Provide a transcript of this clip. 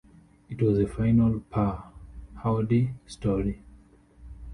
It was a final "Pa" Howdy story.